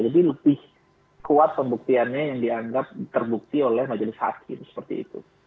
jadi lebih kuat pembuktiannya yang dianggap terbukti oleh majelis hakim seperti itu